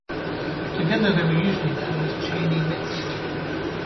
Together they were usually known as Cheney Mixed.